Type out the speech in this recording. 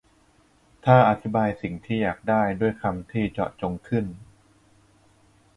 ถ้าอธิบายสิ่งที่อยากได้ด้วยคำที่เจาะจงขึ้น